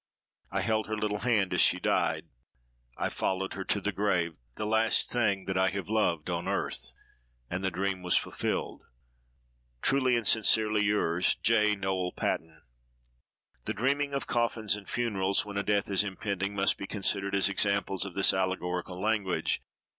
I held her little hand as she died; I followed her to the grave—the last thing that I have loved on earth. And the dream was fulfilled. "Truly and sincerely yours, J. NOEL PATON." The dreaming of coffins and funerals, when a death is impending, must be considered as examples of this allegorical language.